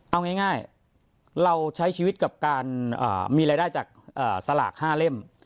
เอาง่ายเราใช้ชีวิตกับการมีรายได้จากสลาก๕เล่ม